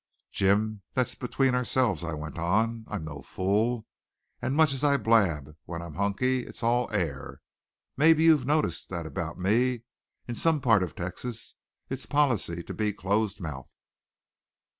"Jim, that's between ourselves," I went on. "I'm no fool. And much as I blab when I'm hunky, it's all air. Maybe you've noticed that about me. In some parts of Texas it's policy to be close mouthed.